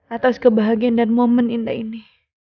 atas kebahagiaan dan momen indah ini